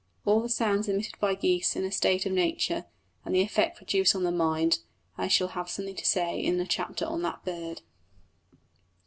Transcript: About the sounds emitted by geese in a state of nature, and the effect produced on the mind, I shall have something to say in a chapter on that bird.